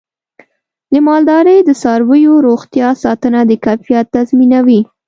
د مالدارۍ د څارویو روغتیا ساتنه د کیفیت تضمینوي.